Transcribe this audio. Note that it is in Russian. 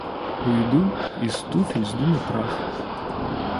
Уйду и с туфель сдуну прах.